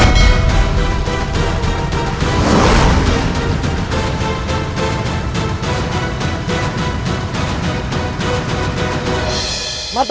aku akan menangkanmu